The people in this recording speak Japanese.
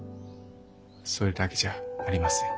それだけじゃありません。